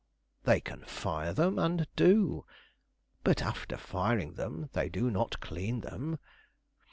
They can fire them, and do; but after firing them, they do not clean them.